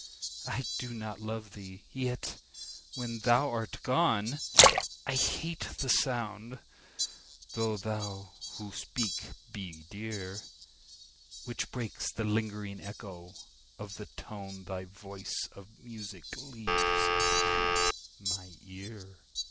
I do not love thee!—yet, when thou art gone, I hate the sound (though those who speak be dear) 10 Which breaks the lingering echo of the tone Thy voice of music leaves upon my ear.